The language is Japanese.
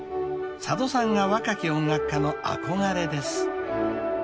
［佐渡さんが若き音楽家の憧れです］